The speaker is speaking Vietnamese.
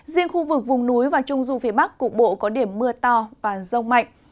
riêng khu vực vùng núi và trung du phía bắc cục bộ có điểm mưa to và rông mạnh